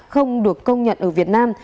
không được công nhận ở việt nam